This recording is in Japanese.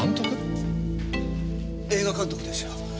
映画監督ですよ。